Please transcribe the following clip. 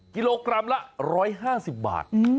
กิโลกรัมละ๑๕๐บาท